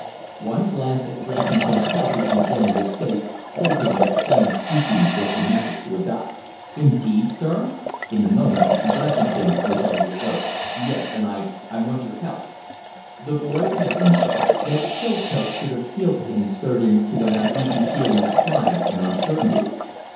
One glance at Blessington's healthy, ingenuous face told him that plain speaking was the method to adopt. "Indeed, sir?" In a moment Blessington was on the alert. "Yes. And I I want your help." The boy reddened. That Chilcote should appeal to him stirred him to an uneasy feeling of pride and uncertainty.